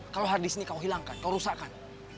kalo harddisk ini kau hilangkan kau rusakkan